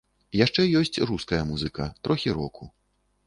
Яшчэ ёсць руская музыка, трохі року.